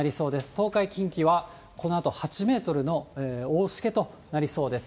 東海、近畿はこのあと８メートルの大しけとなりそうです。